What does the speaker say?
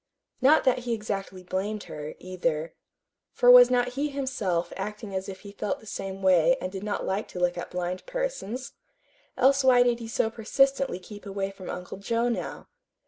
Not that he exactly blamed her, either. For was not he himself acting as if he felt the same way and did not like to look at blind persons? Else why did he so persistently keep away from Uncle Joe now?